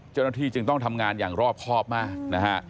เจ้าหน้าที่จึงต้องทำงานอย่างรอบครอบมากนะฮะ